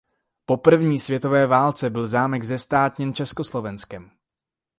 Po první světové válce byl zámek zestátněn Československem.